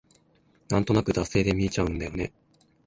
なんとなく惰性で見ちゃうんだよね